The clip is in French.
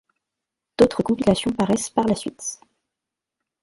D'autres compilations paraissent par la suite.